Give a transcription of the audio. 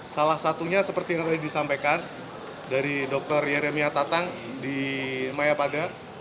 salah satunya seperti yang tadi disampaikan dari dokter yeremia tatang di maya padang